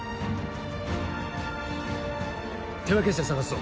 手分けして探すぞ。